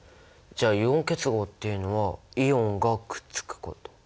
じゃあイオン結合っていうのはイオンがくっつくこと。